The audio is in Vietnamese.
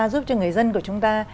giúp cho người dân của chúng ta